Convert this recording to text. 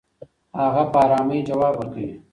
هغه په ارامۍ ځواب ورکوي.